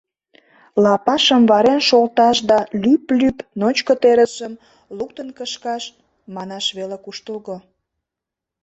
Лапашым варен шолташ да лӱп-лӱп ночко терысым луктын кышкаш — манаш веле куштылго.